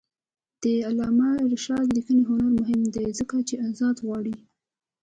د علامه رشاد لیکنی هنر مهم دی ځکه چې آزادي غواړي.